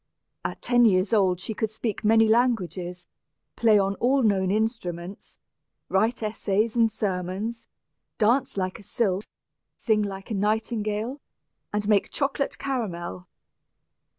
At ten years old she could speak many languages, play on all known instruments, write essays and sermons, dance like a sylph, sing like a nightingale, and make chocolate caramel.